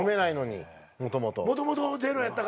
もともとゼロやったからな。